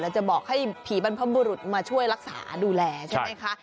จะบอกให้ผีบรรพบุรุษมาช่วยรักษาดูแลใช่ไหมคะ